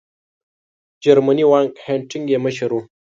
جرمنی وان هینټیګ یې مشر وو.